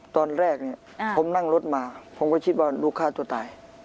ตอนแรกเนี่ยผมนั่งรถมาผมก็คิดว่าลูกฆ่าตัวตาย